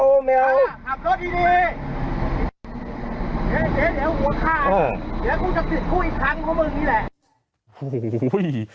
โอ้โฮเฮ้ย